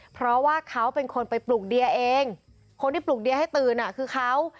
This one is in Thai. เพราะว่าเขาเป็นคนไปปลูกเดียเองคนที่ปลูกเดียให้ตื่นอ่ะคือเขา